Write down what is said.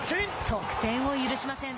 得点を許しません。